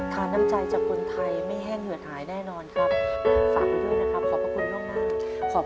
ทาน้ำใจจากคนไทยไม่แห้งเหนือหายแน่นอนครับ